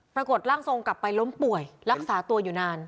ปรากฏร่างทรงกลับไปล้มป่วยรักษาตัวอยู่นาน